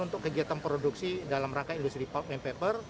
untuk kegiatan produksi dalam rangka industri main paper